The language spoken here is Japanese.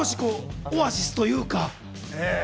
オアシスというか。